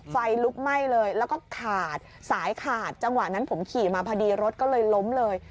ไฟลุกไหม้เลยแล้วก็ขาดสายขาดจังหวะนั้นผมขี่มาพอดีรถก็เลยล้มเลย